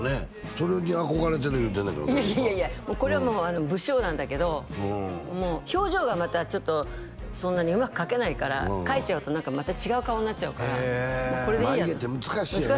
それに憧れてる言うてんねんからいやいやいやこれはもう不精なんだけど表情がまたちょっとそんなにうまく描けないから描いちゃうとまた違う顔になっちゃうからこれでいいやって眉毛って難しいよね